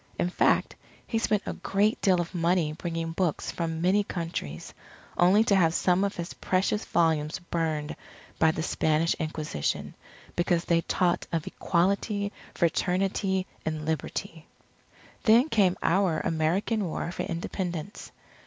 In fact, he spent a great deal of money bringing books from many countries; only to have some of his precious volumes burned by the Spanish Inquisition, because they taught of Equality, Fraternity, and Liberty. Then came our American War for Independence.